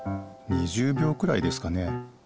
２０びょうくらいですかね？